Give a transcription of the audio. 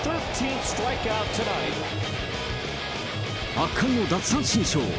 圧巻の奪三振ショー。